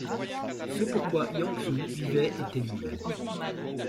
Ce pour quoi Yang Zhu vivait était lui-même.